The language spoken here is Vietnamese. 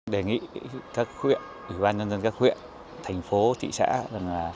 đề nghị các huyện ủy ban nhân dân các huyện thành phố thị xã